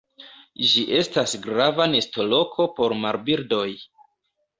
Ĝi estas grava nestoloko por marbirdoj.